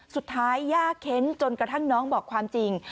สุดท้ายยากเค้นจนกระทั่งน้องบอกความจริง